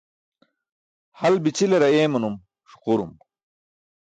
Hal bi̇ćilar ayeemanum ṣuqurum.